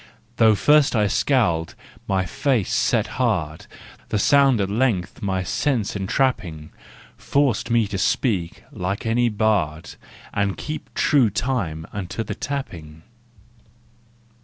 Tho' first I scowled, my face set hard, The sound at length my sense entrapping Forced me to speak like any bard, And keep true time unto the tapping.